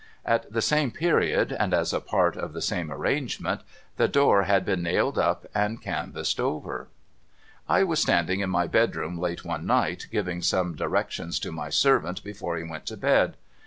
At the same period, and as a part of the same arrangement, the door had been nailed up and canvased over, I was standing in my bedroom late one night, giving some direc tions to my servant before he went to bed.